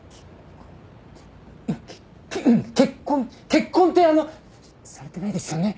結婚ってあのされてないですよね？